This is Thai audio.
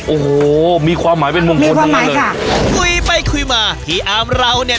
โอ้โหมีความหมายเป็นมงคลทั้งนั้นเลยค่ะคุยไปคุยมาพี่อาร์มเราเนี่ย